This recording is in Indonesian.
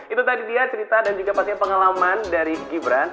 itu tadi dia cerita dan juga pastinya pengalaman dari gibran